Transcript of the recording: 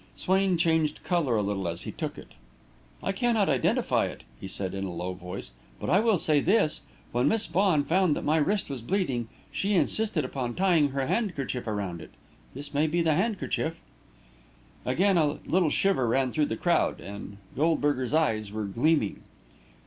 Swain changed colour a little as he took it. "I cannot identify it," he said, in a low voice; "but I will say this: when Miss Vaughan found that my wrist was bleeding, she insisted upon tying her handkerchief around it. This may be the handkerchief." Again a little shiver ran through the crowd, and Goldberger's eyes were gleaming.